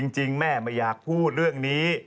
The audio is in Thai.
จริงแม่ไม่อยากพูดเรื่องนี้